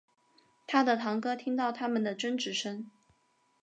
他的堂哥听到他们的争执声